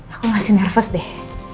aku masih nervous deh